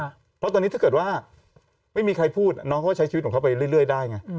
เพราะตอนนี้ถ้าเกิดว่าไม่มีใครพูดน้องเขาก็ใช้ชีวิตของเขาไปเรื่อยได้ไง